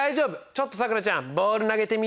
ちょっとさくらちゃんボール投げてみ。